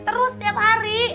terus tiap hari